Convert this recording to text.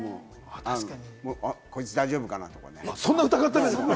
こいつ大丈夫かな？とかね。